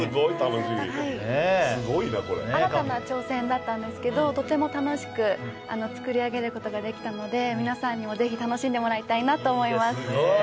新たな挑戦だったんですけど、とても楽しく作り上げることができたので、皆さんにぜひ楽しんでもらいたいなと思います。